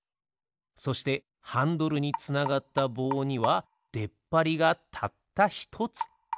そしてハンドルにつながったぼうにはでっぱりがたったひとつ。